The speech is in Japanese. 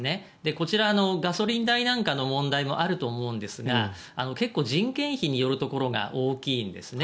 こちら、ガソリン代なんかの問題もあると思うんですが結構、人件費によるところが大きいんですね。